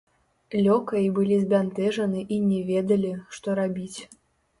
Лёкаі былі збянтэжаны і не ведалі, што рабіць.